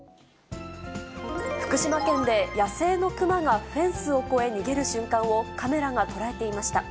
福島県で野生のクマがフェンスを越え逃げる瞬間を、カメラが捉えていました。